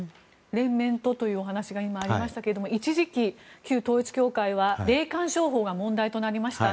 連綿とというお話が今、ありましたけれども一時期、旧統一教会は霊感商法が問題となりました。